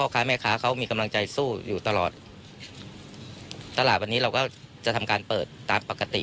ค้าแม่ค้าเขามีกำลังใจสู้อยู่ตลอดตลาดวันนี้เราก็จะทำการเปิดตามปกติ